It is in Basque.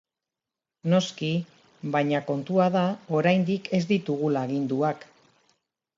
Noski, baina kontua da oraindik ez ditugula aginduak.